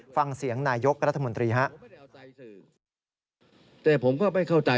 ฟังเสียงนายกรัฐมนตรีครับ